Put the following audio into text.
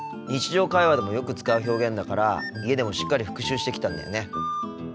日常会話でもよく使う表現だから家でもしっかり復習してきたんだよね。